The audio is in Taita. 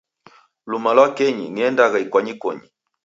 Luma lwa kenyi, niendagha ikwanyikonyi.